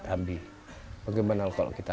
ambi bagaimana kalau kita